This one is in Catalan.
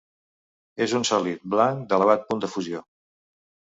És un sòlid blanc d'elevat punt de fusió.